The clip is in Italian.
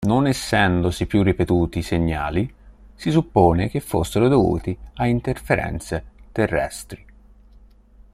Non essendosi più ripetuti i segnali, si suppone che fossero dovuti a interferenze terrestri.